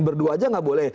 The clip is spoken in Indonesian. berdua aja nggak boleh